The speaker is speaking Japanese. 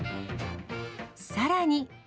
さらに。